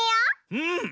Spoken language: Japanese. うん！